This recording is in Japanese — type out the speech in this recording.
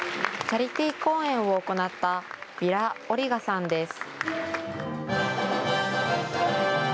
チャリティー公演を行ったビラ・オリガさんです。